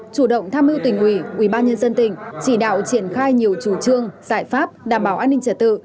chủ động tham mưu tỉnh ủy ubnd tỉnh chỉ đạo triển khai nhiều chủ trương giải pháp đảm bảo an ninh trả tự